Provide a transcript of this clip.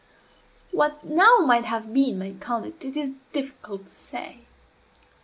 What now might have been my conduct it is difficult to say.